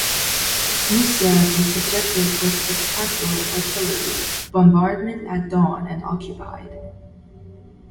Musiad was subjected to a "spectacular" artillery bombardment at dawn and occupied.